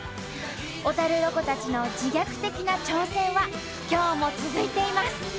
小ロコたちの自虐的な挑戦は今日も続いています。